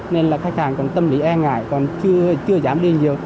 nên là khách hàng còn tâm lý e ngại còn chưa dám đi nhiều